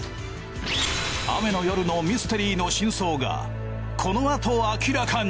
雨の夜のミステリーの真相がこのあと明らかに。